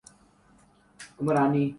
اسی بارے میں مزید پڑھیے